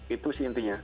itu sih intinya